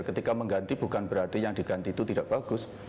ketika mengganti bukan berarti yang diganti itu tidak bagus